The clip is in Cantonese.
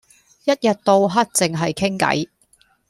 一日到黑淨係傾計